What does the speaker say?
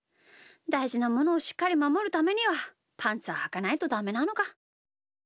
だいじなものをしっかりまもるためにはパンツははかないとダメなのか。